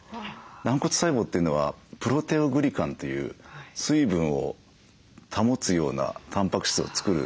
軟骨細胞というのはプロテオグリカンという水分を保つようなたんぱく質を作る細胞なんですね。